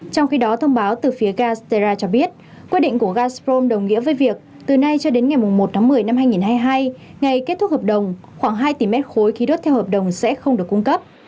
trong khi đó thông báo từ phía gastera cho biết quyết định của gazprom đồng nghĩa với việc từ nay cho đến ngày một tháng một mươi năm hai nghìn hai mươi hai ngày kết thúc hợp đồng khoảng hai tỷ mét khối khí đốt theo hợp đồng sẽ không được cung cấp